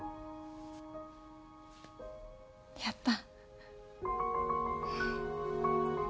やった。